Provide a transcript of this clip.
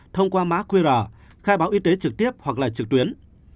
thông qua má qr khai báo y tế trực tiếp hoặc trực tuyến